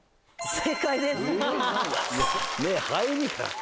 正解です！